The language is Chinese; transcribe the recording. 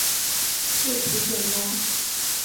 构图简单